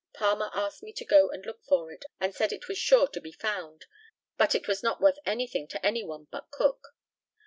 Palmer asked me to go and look for it, and said it was sure to be found, but it was not worth anything to any one but Cook.